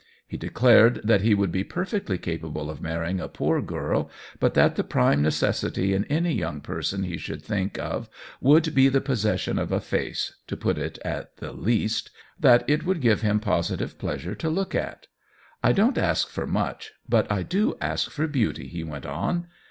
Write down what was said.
He declared that he would be perfectly capable of marrying a poor girl, but that the prime necessity in any young person he should think of would be the possession of a face — to put it at the least — that it would give him positive pleasure to look at. " I don't ask for much, but I do ask for beauty," he went on.